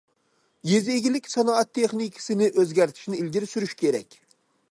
يېزا ئىگىلىك سانائەت تېخنىكىسىنى ئۆزگەرتىشنى ئىلگىرى سۈرۈش كېرەك.